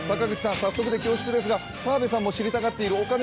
早速で恐縮ですが澤部さんも知りたがっている。